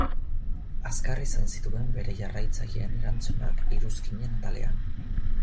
Azkar izan zituen bere jarraitzaileen erantzunak iruzkinen atalean.